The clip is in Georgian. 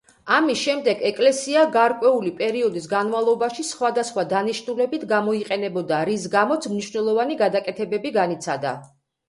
ამის შემდეგ ეკლესია გარკვეული პერიოდის განმავლობაში სხვადასხვა დანიშნულებით გამოიყენებოდა, რის გამოც მნიშვნელოვანი გადაკეთებები განიცადა.